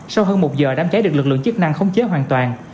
sau hơn một giờ đám cháy được lực lượng chức năng khống chế hoàn toàn